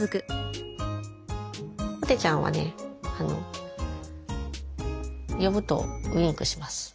ぽてちゃんはね呼ぶとウインクします。